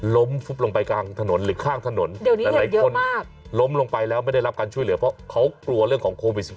ล้มลงไปกลางถนนหรือข้างถนนเดี๋ยวมีเยอะมากล้มลงไปแล้วไม่ได้รับการช่วยเหลือเพราะกัวนมีของโควิด๑๙